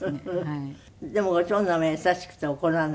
でもご長男は優しくて怒らない。